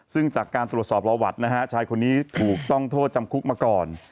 ซึ่งจากการตรวจสอบประวัตินะฮะชายคนนี้ถูกต้องโทษจำคุกมาก่อน